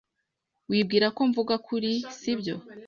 Wibwiraga ko mvuga kuri , sibyo?